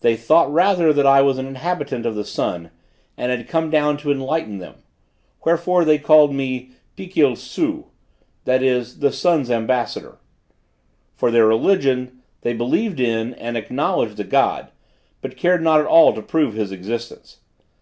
They thought rather that I was an inhabitant of the sun, and had come down to enlighten them, wherefore they called me Pikil Su, that is the sun's ambassador. For their religion, they believed in and acknowledged a God, but cared not at all to prove his existence.